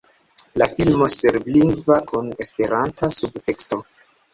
La filmo serblingva kun esperanta subteksto.